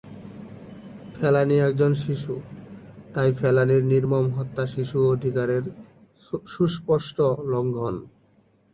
ফেলানী একজন শিশু, তাই ফেলানীর নির্মম হত্যা শিশু অধিকারের সুস্পষ্ট লঙ্ঘন।